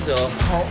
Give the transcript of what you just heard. はい。